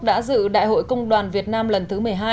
đã dự đại hội công đoàn việt nam lần thứ một mươi hai